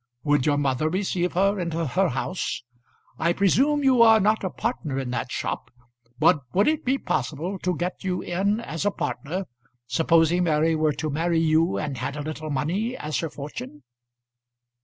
Would your mother receive her into her house? I presume you are not a partner in that shop; but would it be possible to get you in as a partner, supposing Mary were to marry you and had a little money as her fortune?"